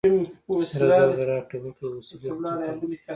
سره زر د راکړې ورکړې د وسیلې په توګه کارول کېږي